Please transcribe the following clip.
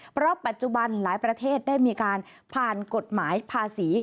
เพราะปัจจุบันหลายประเทศได้มีการผ่านกฎหมายภาษี